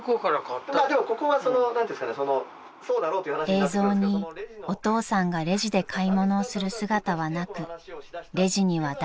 ［映像にお父さんがレジで買い物をする姿はなくレジには男性店員もいませんでした］